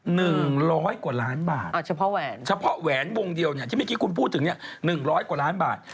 หนึ่งร้อยกว่าร้านบาทวงเดียวเนี่ยที่เมื่อกี้คุณพูดถึงเนี่ยหนึ่งร้อยกว่าร้านบาท